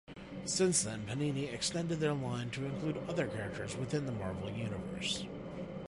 Since then Panini extended their line to include other characters within the Marvel Universe.